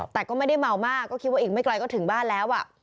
แต่ก็ไม่ได้เมามากก็คิดว่าอีกไม่ไกลก็ถึงบ้านแล้ว